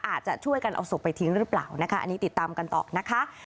อาจจะช่วยกันเอาศพไปทิ้งหรือเปล่านะคะอันนี้ติดตามกันต่อนะคะ